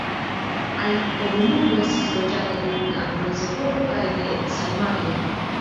La komunumo estis loĝata dum la bronzepoko kaj de sarmatoj.